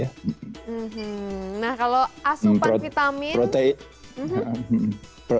nah kalau asupan vitamin